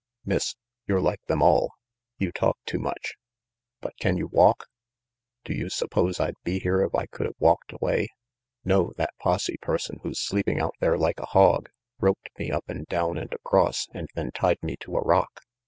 Miss, you're like them all. You talk too much. But can you walk?" "Do you suppose I'd be here if I could have walked away? No, that posse person who's sleeping out there like a hog, roped me up and down and across and then tied me to a rock.